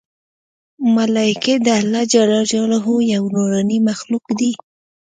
ملایکې د الله ج یو نورانې مخلوق دی